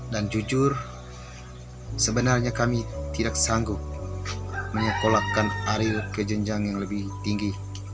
jujur sebenarnya kami tidak sanggup menyekolahkan ariel ke jenjang yang lebih tinggi